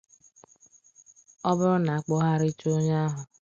Ọ bụrụ na a kpụgharịchaa onye ahụ